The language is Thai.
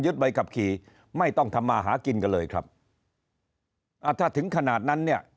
ใบขับขี่ไม่ต้องทำมาหากินกันเลยครับอ่าถ้าถึงขนาดนั้นเนี่ย